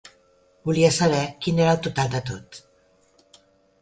Volia saber quin era el total de tot.